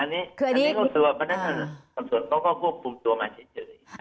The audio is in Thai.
อันนี้ก็ส่วนต้องก็ควบคุมตัวมาเฉย